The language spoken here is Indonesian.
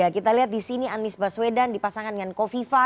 kita lihat disini anies baswedan dipasangkan dengan kofifah